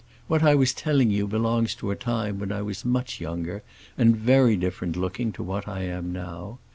What I was telling you belongs to a time when I was much younger and very different looking to what I am now.